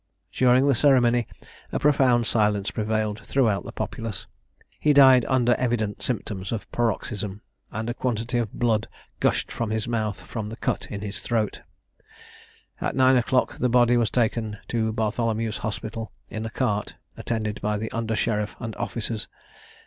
During the ceremony a profound silence prevailed throughout the populace. He died under evident symptoms of paroxysm, and a quantity of blood gushed from his mouth from the cut in his throat. At nine o'clock the body was taken to Bartholemew's Hospital in a cart, attended by the under sheriff and officers.